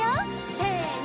せの！